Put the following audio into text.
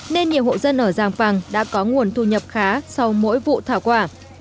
nên nhiều hộ dân ở giàng bằng đã có nguồn thu nhập khá sau mỗi vụ thảo quả